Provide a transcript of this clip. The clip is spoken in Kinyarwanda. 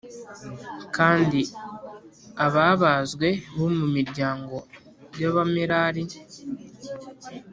Kandi ababazwe bo mu miryango y Abamerari